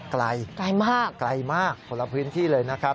ไกลไกลมากไกลมากคนละพื้นที่เลยนะครับ